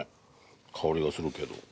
香りがするけど。